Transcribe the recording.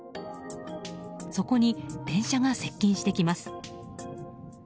そこに電車が接近してきます。